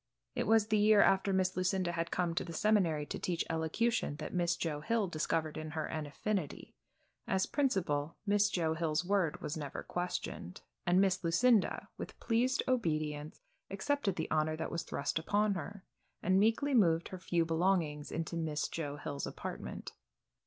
It was the year after Miss Lucinda had come to the seminary to teach elocution that Miss Joe Hill discovered in her an affinity. As principal, Miss Joe Hill's word was never questioned, and Miss Lucinda, with pleased obedience, accepted the honor that was thrust upon her, and meekly moved her few belongings into Miss Joe Hill's apartment.